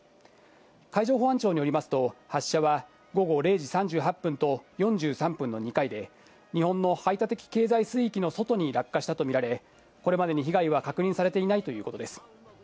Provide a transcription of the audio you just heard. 海上保安庁によりますと、発射は午後０時３８分と４３分の２回で、日本の排他的経済水域の外に落下したと見られ、これまでに被害は確認されていないということです。